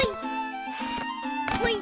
ほい！